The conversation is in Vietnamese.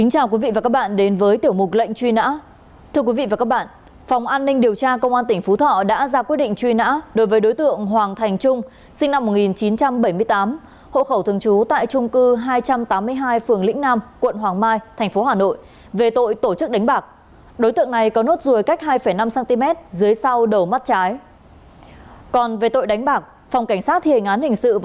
hãy đăng ký kênh để ủng hộ kênh của chúng mình nhé